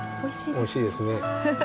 おいしいですね。